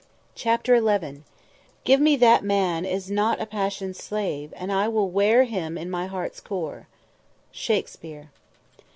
CHAPTER XI "Give me that man that is not passion's slave and I will wear him in my heart's core. ..." SHAKESPEARE.